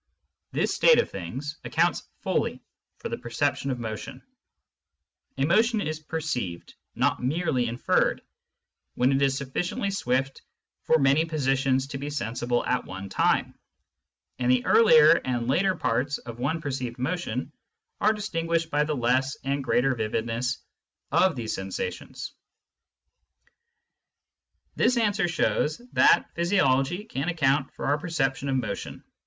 This state of things accounts fully for the perception of motion. A motion is perceived^ not merely inferred^ when it is sufficiently swift for many positions to be sensible at one time ; and Digitized by Google I40 SCIENTIFIC METHOD IN PHILOSOPHY the earlier and later parts of one perceived motion are distinguished by the less and greater vividness of the sensations. This answer shows that physiology can account for our perception of motion.